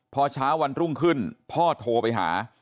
พอเช้าวันรุ่งขึ้นพ่อโทรไปหา